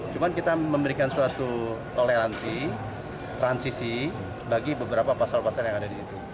cuma kita memberikan suatu toleransi transisi bagi beberapa pasal pasal yang ada di situ